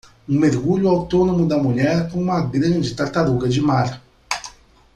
Um mergulho autônomo da mulher com uma grande tartaruga de mar.